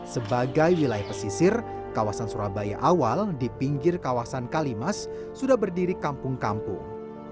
sebagai wilayah pesisir kawasan surabaya awal di pinggir kawasan kalimas sudah berdiri kampung kampung